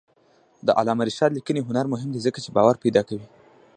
د علامه رشاد لیکنی هنر مهم دی ځکه چې باور پیدا کوي.